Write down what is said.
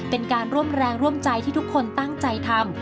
เป็นการร่วมแรงร่วมใจที่ทุกคนตั้งใจทำ